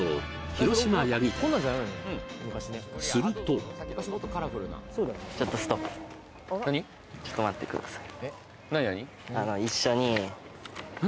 広島八木店するとちょっと待ってください